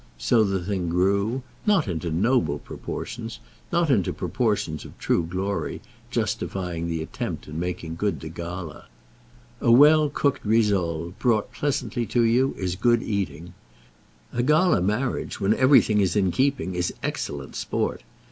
So the thing grew; not into noble proportions, not into proportions of true glory, justifying the attempt and making good the gala. A well cooked rissole, brought pleasantly to you, is good eating. A gala marriage, when everything is in keeping, is excellent sport.